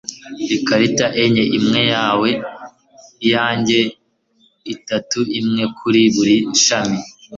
Ikarita enye imwe yawe iyanjye itatu imwe kuri buri shami